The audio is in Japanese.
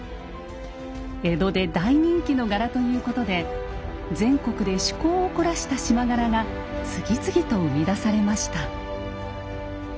江戸で大人気の柄ということで全国で趣向を凝らした縞柄が次々と生み出されました。